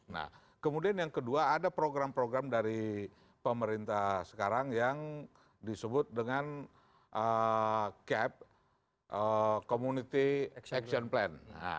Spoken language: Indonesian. nah kemudian yang kedua ada program program dari pemerintah sekarang yang disebut dengan cap community exaction plan